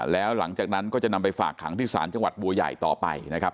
แล้วหลังจากนั้นก็จะนำไปฝากขังที่ศาลจังหวัดบัวใหญ่ต่อไปนะครับ